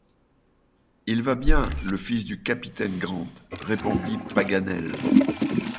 Il va bien, le fils du capitaine Grant! répondit Paganel.